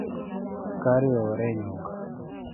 Skari oore e nyuka